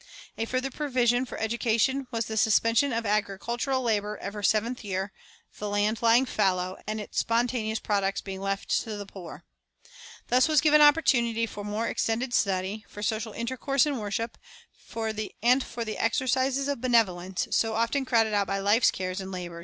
A further provision for education was the suspension of agricultural labor every seventh year, the land lying fallow, and its spontaneous prod ucts being left to the poor. Thus was given oppor tunity for more extended study, for social intercourse and worship, and for the exercise of benevolence, so often crowded out by life's cares and labors.